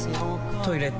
トイレ